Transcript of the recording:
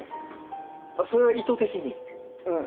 それは意図的に？